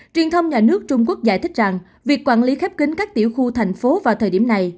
truyền thông nhà nước trung quốc giải thích rằng việc quản lý khép kính các tiểu khu thành phố vào thời điểm này